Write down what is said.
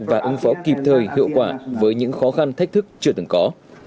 và ứng phó kịp thời hiệu quả với những khó khăn thách thức chưa từng có